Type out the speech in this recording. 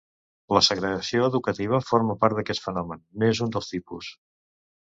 La segregació educativa forma part d'aquest fenomen, n'és un dels tipus.